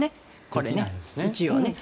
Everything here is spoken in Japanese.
これね、一応ね。